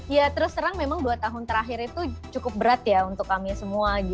ya terus terang memang dua tahun terakhir itu cukup berat ya untuk kami semua